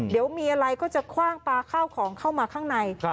เดี๋ยวมีอะไรก็จะคว่างปลาข้าวของเข้ามาข้างใน